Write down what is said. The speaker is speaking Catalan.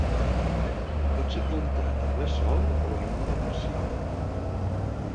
Pot ser plantat a ple Sol o en ombra parcial.